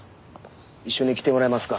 一緒に来てもらえますか？